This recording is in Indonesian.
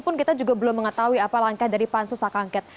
walaupun kita juga belum mengetahui apa langkah dari pansus akangket